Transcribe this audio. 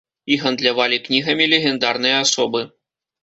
І гандлявалі кнігамі легендарныя асобы.